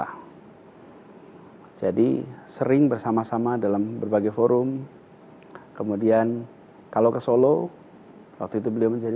hai jadi sering bersama sama dalam berbagai forum kemudian kalau ke solo waktu itu beliau menjadi